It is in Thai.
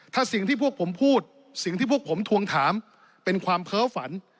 ถ้าสิ่งที่พวกผมพูดสิ่งที่พวกผมทวงถามเป็นความเพ้อฝัน